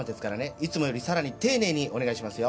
いつもよりさらに丁寧にお願いしますよ。